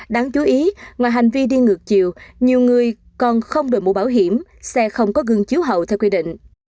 đáng chú ý ngoài hành vi đi ngược chiều nhiều người còn không đổi mũ bảo hiểm xe không có gương chiếu hậu theo quy định